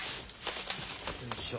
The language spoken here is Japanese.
よいしょ